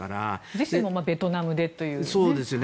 自身もベトナムでというね。